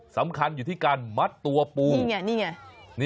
สำคัญอยู่ที่การมัดตัวปูนี่ไงนี่ไง